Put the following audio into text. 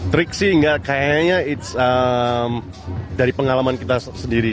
trik sih kayaknya dari pengalaman kita sendiri